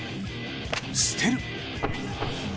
捨てる！